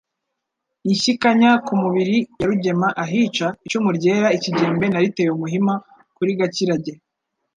Inshyikanya ku mubiri ya Rugema ahica, icumu ryera ikigembe nariteye umuhima kuri Gakirage,